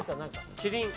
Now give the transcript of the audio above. キリン。